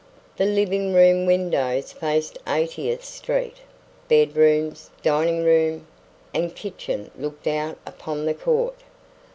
The living room windows faced Eightieth Street; bedrooms, dining room, and kitchen looked out upon the court.